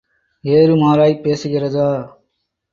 ஏறு மாறாய்ப் பேசுகிறதா?